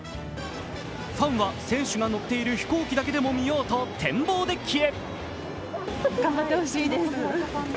ファンは選手が乗っている飛行機だけでも見ようと展望デッキへ。